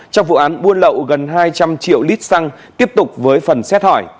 trong vụ án buôn lậu gần hai trăm linh triệu lít xăng tiếp tục với phần xét hỏi